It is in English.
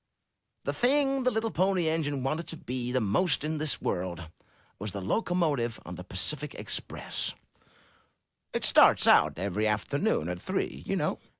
*The thing that the little Pony Engine wanted to be, 345 MY BOOK HOUSE the most in this world, was the locomotive of the Pacific Express, that starts out every afternoon at three, you know.